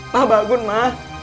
ma bangun ma